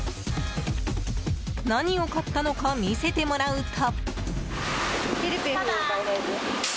何を買ったのか見せてもらうと。